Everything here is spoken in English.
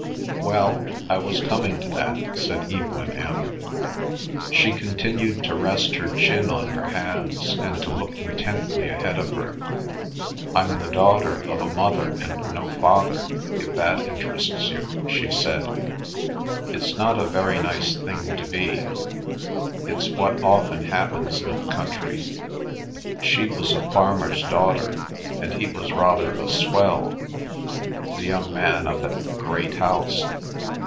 "Well, I was coming to that," said Evelyn M. She continued to rest her chin on her hands and to look intently ahead of her. "I'm the daughter of a mother and no father, if that interests you," she said. "It's not a very nice thing to be. It's what often happens in the country. She was a farmer's daughter, and he was rather a swell—the young man up at the great house.